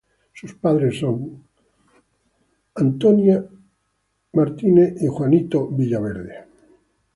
Sus padres son Kelly y Michelle Williams.